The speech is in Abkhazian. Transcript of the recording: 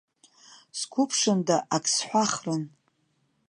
Сқәыԥшында, ак сҳәахрын.